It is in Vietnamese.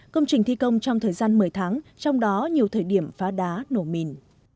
công trình thi công trong thời gian một mươi tháng trong đó nhiều thời điểm phá đá nổ mìn